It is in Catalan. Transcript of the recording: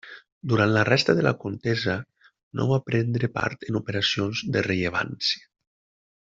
Durant la resta de la contesa no va prendre part en operacions de rellevància.